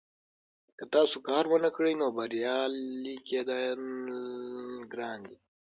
که تاسو کار ونکړئ نو بریالي کیدل ګران دي.